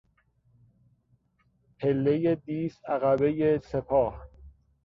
پله دیس عقبهی سپاه